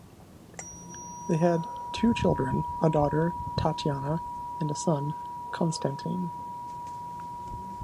They had two children, a daughter Tatyana and a son Konstantin.